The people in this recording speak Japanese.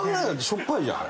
しょっぱいじゃんあれ。